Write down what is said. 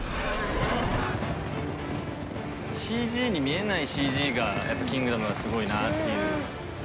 ＣＧに見えないＣＧが『キングダム』はすごいなっていう。